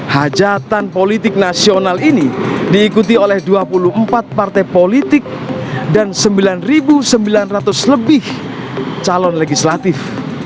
hajatan politik nasional ini diikuti oleh dua puluh empat partai politik dan sembilan sembilan ratus lebih calon legislatif